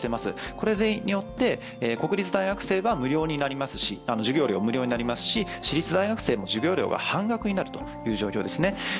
これによって国立大学生は授業料が無料になりますし私立大学生も授業料が半額になるという想定ですね。